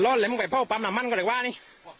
รอดแล้วมึงไปเฝ้าปังหมามันก็ได้ว่านี่